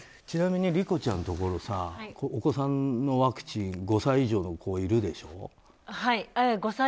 ちなみに理子ちゃんのところはお子さんのワクチン５歳以上の子いるでしょ。